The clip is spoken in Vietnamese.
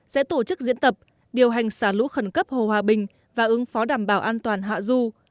sẽ tổ chức diễn tập điều hành xả lũ khẩn cấp hồ hòa bình và ứng phó đảm bảo an toàn hạ du